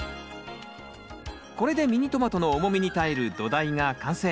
これでミニトマトの重みに耐える土台が完成。